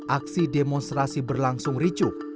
aksi demonstrasi berlangsung ricuk